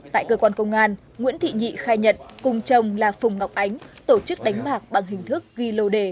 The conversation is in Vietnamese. tại cơ quan công an nguyễn thị nhị khai nhận cùng chồng là phùng ngọc ánh tổ chức đánh bạc bằng hình thức ghi lô đề